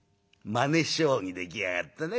「まね将棋で来やがったな